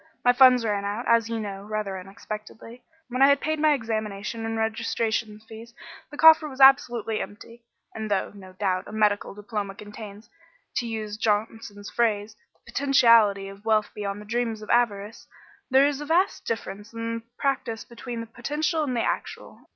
My funds ran out, as you know, rather unexpectedly. When I had paid my examination and registration fees the coffer was absolutely empty, and though, no doubt, a medical diploma contains to use Johnson's phrase the potentiality of wealth beyond the dreams of avarice, there is a vast difference in practice between the potential and the actual.